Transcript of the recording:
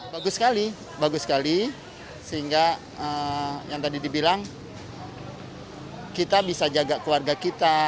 bagus sekali bagus sekali sehingga yang tadi dibilang kita bisa jaga keluarga kita